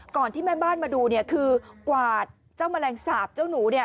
ก่อนที่แม่บ้านมาดูคือกวาดเจ้ามะแรงสาปเจ้าหนู